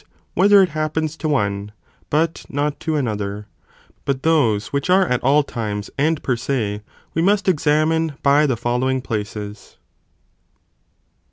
whether ' it happens to one, but not to another, but those which are at all times, and per se, we must examine by the following places.